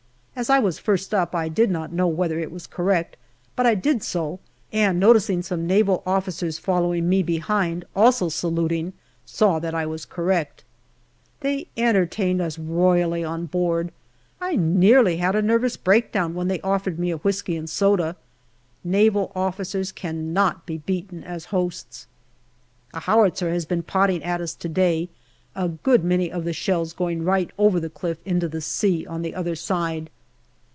As I was first up I did not know whether it was correct, but I did so, and noticing some Naval officers following me behind also saluting, saw that I was correct. They entertained us royally on board. I nearly had a nervous break down when they offered me a whisky and soda. Naval officers cannot be beaten as hosts. A howitzer has been potting at us to day, a good many of the shells going right over the cliff into the sea on the other side.